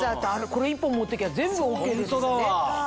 これ１本持っていけば全部ＯＫですもんね。